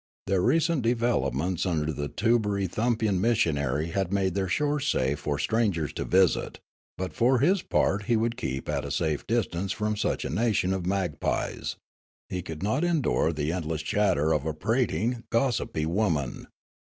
Their recent developments under the Tubbery thumpian missionary had made their shores safe for strangers to visit; but for his part he would keep at a safe distance from such a nation of magpies. He could not endure the endless chatter of a prating, gossipy woman.